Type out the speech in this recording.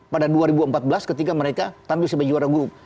pada dua ribu empat belas ketika mereka tampil sebagai juara grup